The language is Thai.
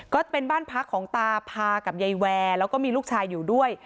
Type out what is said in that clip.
ก็เป็นบ้านพักของตาพากับยายแวร์แล้วก็มีลูกชายอยู่ด้วย